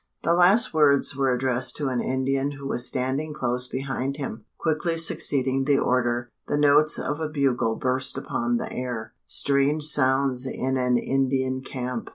The last words were addressed to an Indian who was standing close behind him. Quickly succeeding the order, the notes of a bugle burst upon the air strange sounds in an Indian camp!